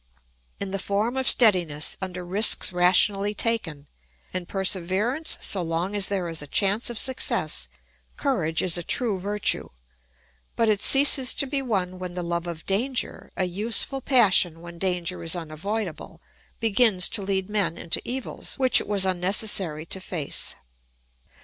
In the form of steadiness under risks rationally taken, and perseverance so long as there is a chance of success, courage is a true virtue; but it ceases to be one when the love of danger, a useful passion when danger is unavoidable, begins to lead men into evils which it was unnecessary to face.